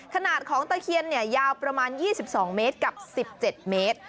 ขนาดของตะเคียนยาวประมาณ๒๒เมตรกับ๑๗เมตร